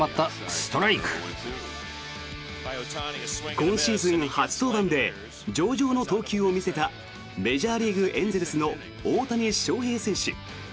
今シーズン初登板で上々の投球を見せたメジャーリーグ、エンゼルスの大谷翔平選手。